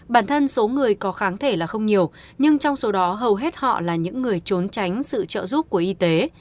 bản thân số người có kháng thể là không nhiều nhưng trong số đó hầu hết họ là những người trốn tránh sự trợ giúp của y tế